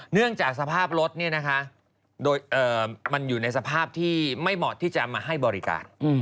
เนื่องจากสภาพรถมันอยู่ในสภาพที่ไม่เหมาะที่จะมาให้บริการ